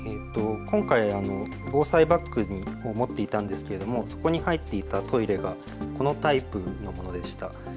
今回、防災バッグを持っていたんですけれどもそこに入っていたトイレがこのタイプのものでした。